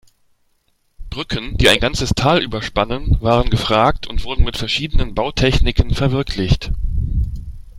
Brücken, die ein ganzes Tal überspannen, waren gefragt und wurden mit verschiedenen Bautechniken verwirklicht.